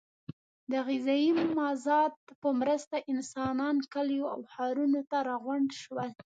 د غذایي مازاد په مرسته انسانان کلیو او ښارونو ته راغونډ شول.